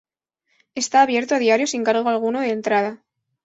Está abierto a diario sin cargo alguno de entrada.